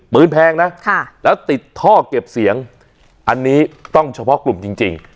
แพงนะแล้วติดท่อเก็บเสียงอันนี้ต้องเฉพาะกลุ่มจริง